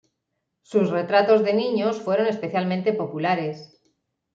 Sus retratos de niños fueron especialmente populares.